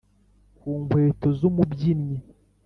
ku nkweto z'umubyinnyi,